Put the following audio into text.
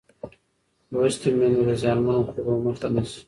لوستې میندې د زیانمنو خوړو مخه نیسي.